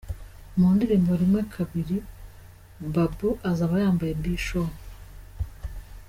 Mu ndirimbo Rimwe kabiri, Babou azaba yambaye B-Show.